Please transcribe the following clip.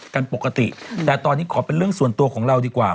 กันปกติแต่ตอนนี้ขอเป็นเรื่องส่วนตัวของเราดีกว่า